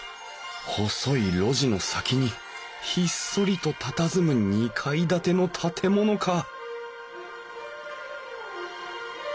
細い路地の先にひっそりとたたずむ２階建ての建物か！